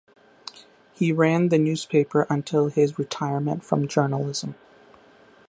He ran the newspaper until his retirement from journalism.